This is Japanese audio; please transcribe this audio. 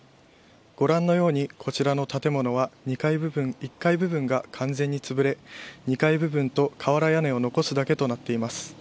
ご覧のように、こちらの建物は１階部分が完全につぶれ２階部分と瓦屋根を残すだけとなっています。